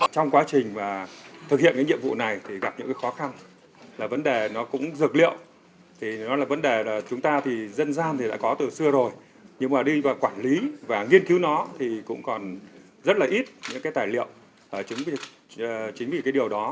trong quá trình mà thực hiện cái nhiệm vụ này thì gặp những cái khó khăn là vấn đề nó cũng dược liệu thì nó là vấn đề là chúng ta thì dân gian thì đã có từ xưa rồi nhưng mà đi vào quản lý và nghiên cứu nó thì cũng còn rất là ít những cái tài liệu chứng vì cái điều đó